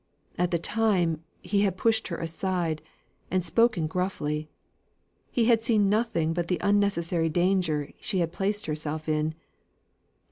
At the time, he had pushed her aside, and spoken gruffly; he had seen nothing but the unnecessary danger she had placed herself in.